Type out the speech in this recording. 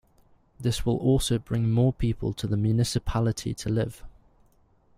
This will also bring more people to the municipality to live.